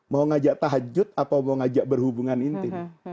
mau ngajak tahajud atau mau ngajak berhubungan intim